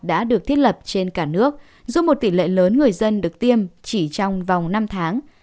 đã được thiết lập trên cả nước giúp một tỷ lệ lớn người dân được tiêm chỉ trong vòng năm tháng